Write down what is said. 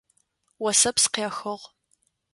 Осэпс къехыгъ.